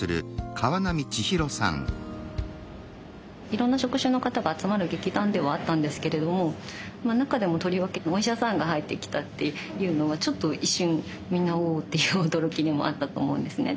いろんな職種の方が集まる劇団ではあったんですけれども中でもとりわけお医者さんが入ってきたっていうのをちょっと一瞬みんな「おお！」っていう驚きでもあったと思うんですね。